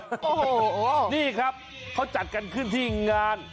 โอ้โหนี่ครับเขาจัดกันขึ้นที่งาน